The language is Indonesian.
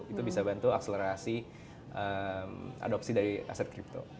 itu bisa bantu akselerasi adopsi dari aset kripto